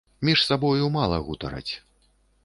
Між сабою мала гутараць.